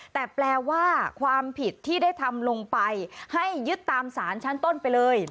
แต่แปลว่าความผิดที่ได้ทำลงไปให้ยึดตามสารชั้นต้นไปเลย